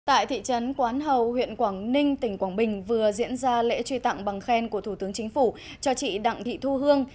tại thị trấn quán hầu huyện quảng ninh tỉnh quảng bình vừa diễn ra lễ truy tặng bằng khen của thủ tướng chính phủ cho chị đặng thị thu hương